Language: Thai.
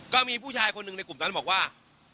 ก็มีผู้ชายคนหนึ่งในกลุ่มนั้นบอกว่า